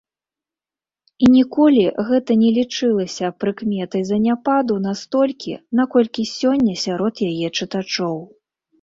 І ніколі гэта не лічылася прыкметай заняпаду настолькі, наколькі сёння сярод яе чытачоў.